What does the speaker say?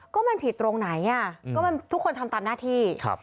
ก็มันผิดตรงไหนทุกคนทำตามหน้าที่